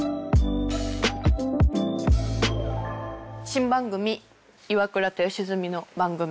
新番組『イワクラと吉住の番組』。